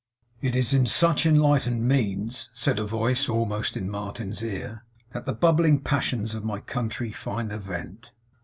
'It is in such enlightened means,' said a voice almost in Martin's ear, 'that the bubbling passions of my country find a vent.